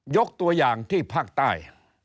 ยกตัวอย่างที่ภาคใต้